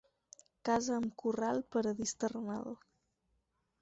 Casa amb corral, paradís terrenal.